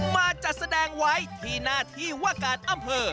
มาจัดแสดงไว้ที่หน้าที่ว่าการอำเภอ